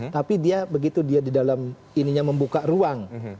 tapi dia begitu dia di dalam ininya membuka ruang